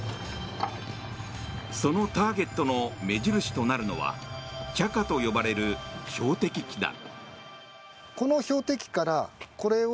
そのターゲットの目印となるのはチャカと呼ばれる標的機だ。